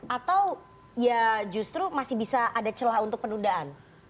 atau ya justru masih bisa ada celah untuk penundaan